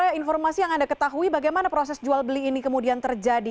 bagaimana informasi yang anda ketahui bagaimana proses jual beli ini kemudian terjadi